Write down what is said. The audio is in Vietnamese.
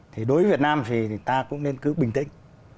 thì đối với việt nam thì ta cũng nên cứ bình tĩnh